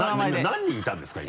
何人いたんですか？